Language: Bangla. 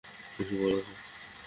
কিছু তো বল।